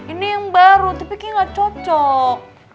ini yang baru tipiknya gak cocok